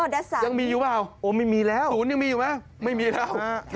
อ๋อดัสสันยังมีอยู่หรือเปล่าศูนยังมีอยู่หรือเปล่าไม่มีแล้ว